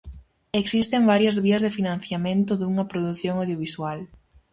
Existen varias vías de financiamento dunha produción audiovisual.